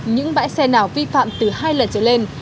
những bãi xe nào vi phạm từ hai lần trở lên